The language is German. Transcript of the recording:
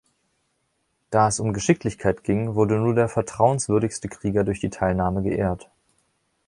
Da es um Geschicklichkeit ging, wurde nur der vertrauenswürdigste Krieger durch die Teilnahme geehrt.